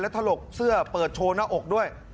ถลกเสื้อเปิดโชว์หน้าอกด้วย